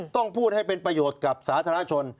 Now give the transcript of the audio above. ต้องพูดให้เป็นประโยชน์กับสาธารณชน